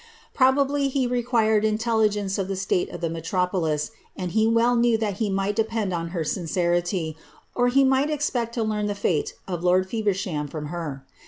Probably he required intelligence of the state of the me tropolian and he well knew that he might depend on her sincerity, or hu might expect to learn the fate of lord Feversham from her.